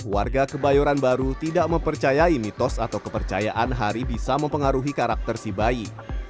warga kebayoran baru tidak mempercayai mitos atau kepercayaan hari bisa mempengaruhi karakter si bayi